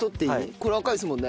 これ赤いですもんね。